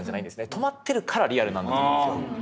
止まってるからリアルなんだと思うんですよ。